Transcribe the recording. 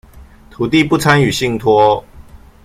土地不參與信託